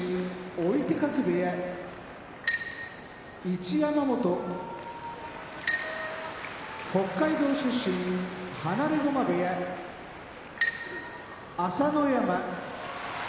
追手風部屋一山本北海道出身放駒部屋朝乃山